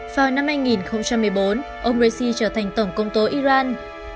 vào năm hai nghìn một mươi bốn ông raisi trở thành tổng công tố iran